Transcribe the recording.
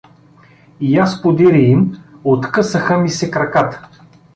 И аз подире им, откъсаха ми се краката.